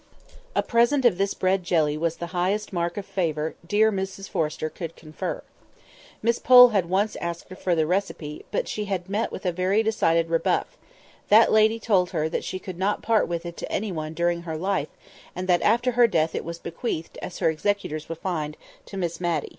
A present of this bread jelly was the highest mark of favour dear Mrs Forrester could confer. Miss Pole had once asked her for the receipt, but she had met with a very decided rebuff; that lady told her that she could not part with it to any one during her life, and that after her death it was bequeathed, as her executors would find, to Miss Matty.